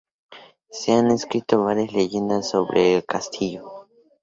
Se han escrito varias leyendas sobre el castillo.